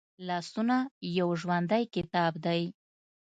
لاسونه یو ژوندی کتاب دی